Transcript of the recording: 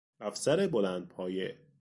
افسر بلندپایه